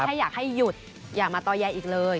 ถ้าอยากให้หยุดอย่ามาต่อแย้อีกเลย